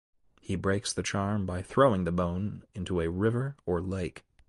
He breaks the charm by throwing the bone into a river or lake.